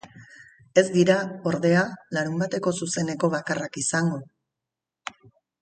Ez dira, ordea, larunbateko zuzeneko bakarrak izango.